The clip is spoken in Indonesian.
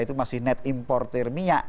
itu masih net importer minyak